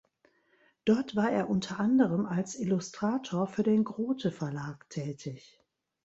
Dort war er unter anderem als Illustrator für den Grothe Verlag tätig.